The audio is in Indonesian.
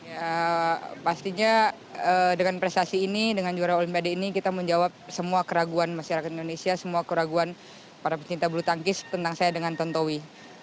ya pastinya dengan prestasi ini dengan juara olimpiade ini kita menjawab semua keraguan masyarakat indonesia semua keraguan para pecinta bulu tangkis tentang saya dengan tontowi